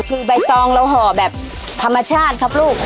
คือใบตองเราห่อแบบธรรมชาติครับลูก